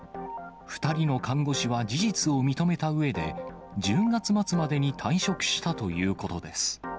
２人の看護師は事実を認めたうえで、１０月末までに退職したということです。